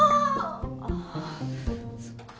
ああそっか。